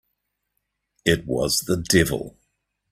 It was the devil!